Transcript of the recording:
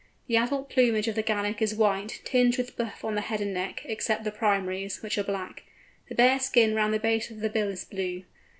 The adult plumage of the Gannet is white, tinged with buff on the head and neck, except the primaries, which are black. The bare skin round the base of the bill is blue.